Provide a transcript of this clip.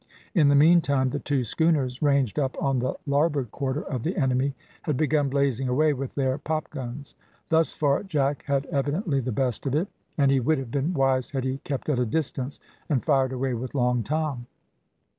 In the meantime the two schooners ranged up on the larboard quarter of the enemy, had begun blazing away with their popguns. Thus far, Jack had evidently the best of it, and he would have been wise had he kept at a distance, and fired away with Long Tom.